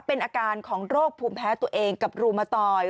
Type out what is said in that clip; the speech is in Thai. เป็นอาการของโรคภูมิแพ้ตัวเองกับรูมตอย